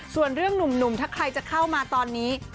ส่วนเรื่องหนุ่มถ้าใครจะเข้ามาตอนนี้